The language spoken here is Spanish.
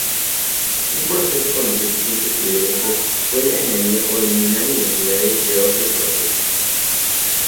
Un proceso con los suficientes privilegios puede añadir o eliminar identidades de otro proceso.